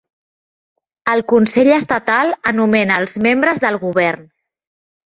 El Consell Estatal anomena els membres del Govern.